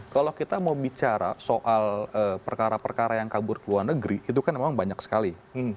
kalau kita mau bicara soal perkara perkara yang kabur ke luar negeri itu kan memang banyak sekali